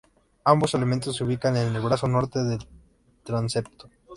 Ambos elementos se ubican en el brazo norte del transepto.